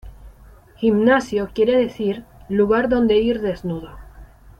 Gimnasio quiere decir "lugar donde ir desnudo".